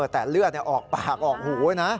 แต่เลือดออกปากออกหูนะ